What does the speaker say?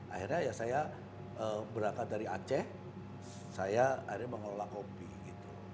akhirnya ya saya berangkat dari aceh saya akhirnya mengelola kopi gitu